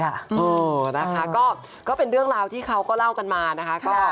เออนะคะก็เป็นเรื่องราวที่เขาก็เล่ากันมานะคะ